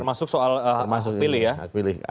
termasuk soal masuk pilih ya